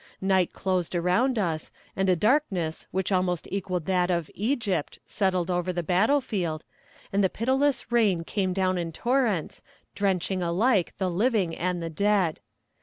Night closed around us, and a darkness which almost equaled that of "Egypt" settled over the battle field, and the pitiless rain came down in torrents, drenching alike the living and the dead.